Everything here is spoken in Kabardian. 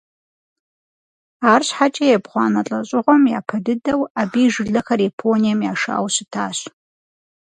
Арщхьэкӏэ ебгъуанэ лӏэщӏыгъуэм япэ дыдэу абы и жылэхэр Японием яшауэ щытащ.